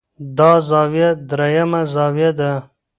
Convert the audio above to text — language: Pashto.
دا زاويه درېيمه زاويه ده